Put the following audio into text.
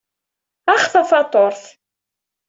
Ax tafatuṛt.